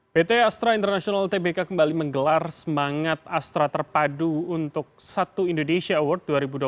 pt astra international tbk kembali menggelar semangat astra terpadu untuk satu indonesia award dua ribu dua puluh tiga